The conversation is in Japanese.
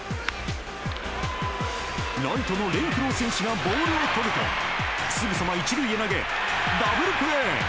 ライトのレンフロー選手がボールをとるとすぐさま１塁へ投げダブルプレー！